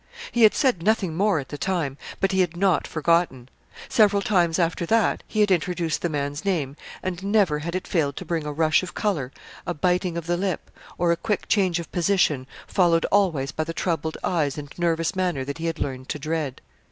He had said nothing more at the time, but he had not forgotten. Several times, after that, he had introduced the man's name, and never had it failed to bring a rush of color, a biting of the lip, or a quick change of position followed always by the troubled eyes and nervous manner that he had learned to dread.